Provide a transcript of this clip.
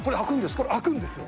これ、開くんですよ。